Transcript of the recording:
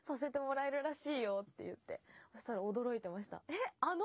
「えっあの！？」